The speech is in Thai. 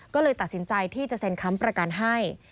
ก็เลยตัดสินใจที่จะเซ็นค้ำประกันให้